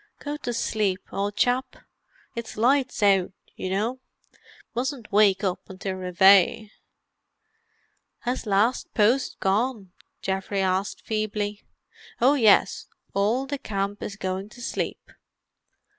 "Go to sleep, old chap; it's 'Lights Out,' you know. You mustn't wake up until Reveille." "Has 'Last Post' gone?" Geoffrey asked feebly. "Oh yes. All the camp is going to sleep."